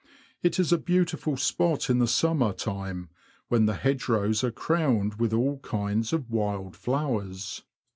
It is a beautiful spot in the summer time, when the hedgerows are crowned with all kinds of wild flowers.